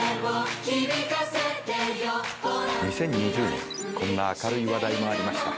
２０２０年こんな明るい話題もありました。